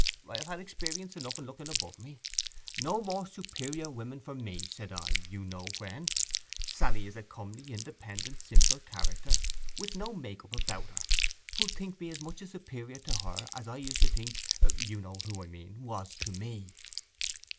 I have had experience enough in looking above me. "No more superior women for me," said I—you know when. Sally is a comely, independent, simple character, with no make up about her, who'll think me as much a superior to her as I used to think—you know who I mean—was to me.